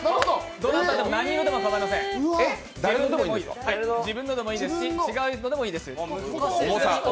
どなたでも何色でも構いません、自分のでもいいですし、違うのでもいいです。